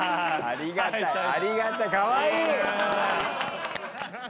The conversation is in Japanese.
ありがたい！